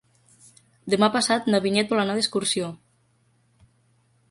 Demà passat na Vinyet vol anar d'excursió.